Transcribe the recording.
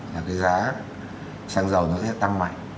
cái giá xăng dầu nó sẽ tăng mạnh